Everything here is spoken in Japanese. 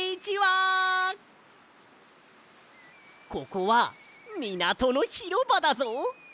ここはみなとのひろばだぞ！